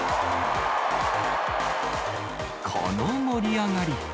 この盛り上がり。